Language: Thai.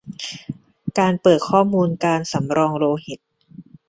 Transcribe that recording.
การเปิดข้อมูลการสำรองโลหิต